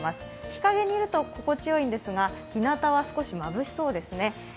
日陰にいると心地よいんですがひなたは少しまぶしそうですね。